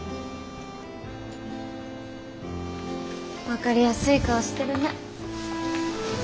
分かりやすい顔してるね。